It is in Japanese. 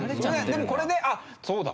でもこれで「あっそうだ」。